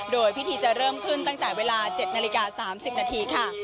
โดยพิธีจะเริ่มขึ้นตั้งแต่เวลา๗นาฬิกา๓๐นาทีค่ะ